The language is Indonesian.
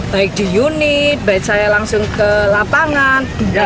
baik di unit baik saya langsung ke lapangan di cabang maupun di pusat